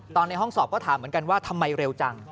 ในห้องสอบก็ถามเหมือนกันว่าทำไมเร็วจัง